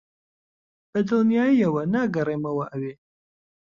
بەدڵنیاییەوە ناگەڕێمەوە ئەوێ.